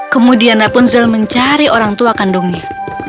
kemudian rapunzel mencari orang tua kandungnya